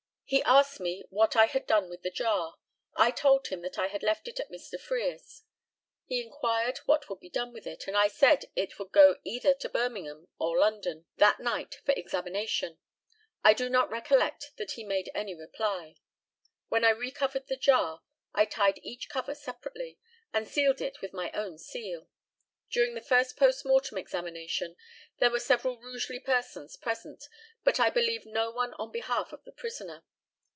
He asked me what I had done with the jar. I told him that I had left it at Mr. Frere's. He inquired what would be done with it, and I said it would go either to Birmingham or London that night for examination. I do not recollect that he made any reply. When I re covered the jar, I tied each cover separately, and sealed it with my own seal. During the first post mortem examination there were several Rugeley persons present, but I believe no one on behalf of the prisoner.